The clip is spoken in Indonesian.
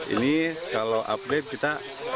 ini kalau update kita